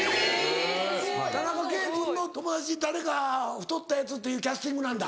田中圭君の友達誰か太ったヤツっていうキャスティングなんだ。